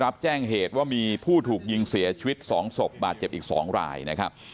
รับแจ้งเหตุว่ามีผู้ถูกยิงเสียชีวิต๒ศพบาดเจ็บอีก๒รายนะครับ